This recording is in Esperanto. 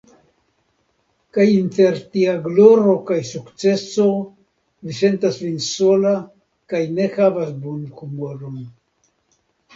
Kaj inter tia gloro kaj sukceso Vi sentas Vin sola kaj ne havas bonhumoron!